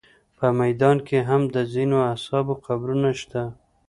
په میدان کې هم د ځینو اصحابو قبرونه شته.